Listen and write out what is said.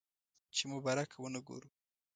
چې مبارکه ونه وګورو.